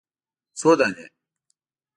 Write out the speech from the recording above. _څو دانې ؟